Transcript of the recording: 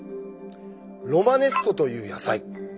ロマネスコという野菜。